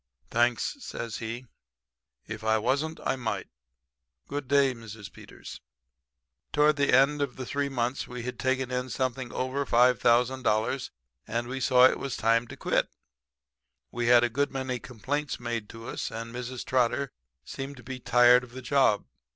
"'Thanks,' says he. 'If I wasn't, I might. Good day, Mrs. Peters.' "Toward the end of three months we had taken in something over $5,000, and we saw it was time to quit. We had a good many complaints made to us; and Mrs. Trotter seemed to be tired of the job.